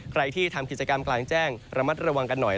ใครที่ทำกิจกรรมกลางแจ้งระมัดระวังกันหน่อย